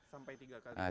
sampai tiga kali